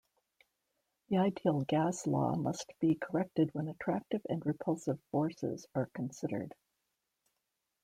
The ideal gas law must be corrected when attractive and repulsive forces are considered.